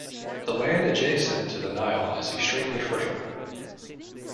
The land adjacent the Nile is extremely fertile